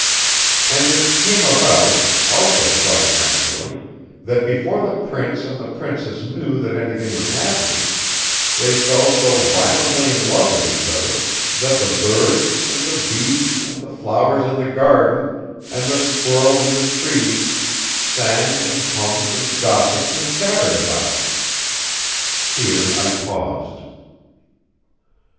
And it came about, also quite naturally, that before the prince and the princess knew that anything was happening, they fell so violently in love with each other that the birds, and the bees, and the flowers in the garden, and the squirrels in the trees sang and hummed and gossiped and chattered about it." Here I paused.